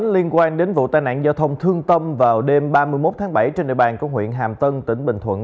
liên quan đến vụ tai nạn giao thông thương tâm vào đêm ba mươi một tháng bảy trên địa bàn của huyện hàm tân tỉnh bình thuận